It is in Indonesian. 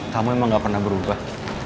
kamu emang gak pernah berubah